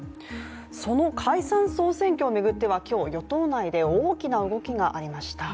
その解散総選挙を巡っては今日、与党内で大きな動きがありました。